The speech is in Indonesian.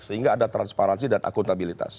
sehingga ada transparansi dan akuntabilitas